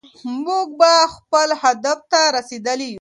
موږ به خپل هدف ته رسېدلي يو.